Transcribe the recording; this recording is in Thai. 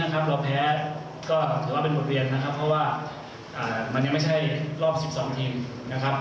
เราแพ้ก็ถือว่าเป็นบทเรียนนะครับเพราะว่ามันยังไม่ใช่รอบ๑๒ทีมนะครับ